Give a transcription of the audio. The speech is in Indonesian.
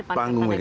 panggung bpn ya